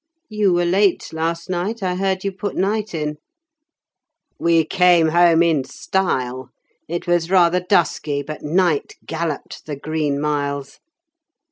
"You were late last night. I heard you put Night in." "We came home in style; it was rather dusky, but Night galloped the Green Miles."